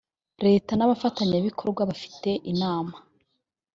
leta nabafatanyabikorwa bafite inama.